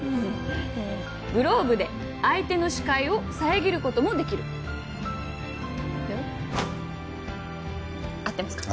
「グローブで相手の視界を遮ることもできる」合ってますか？